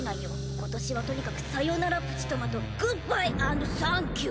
今年はとにかくさよならプチトマトグッバイ＆サンキュー。